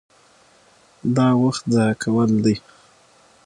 دا وخت ضایع کول دي.